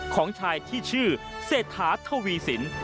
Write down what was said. ของชายที่ชื่อเศรษฐาทวีสิน